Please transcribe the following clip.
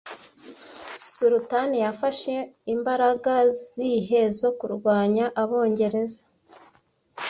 Sultan yafashe imbaraga zihe zo kurwanya abongereza